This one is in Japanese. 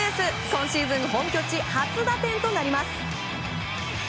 今シーズン本拠地初打点となります。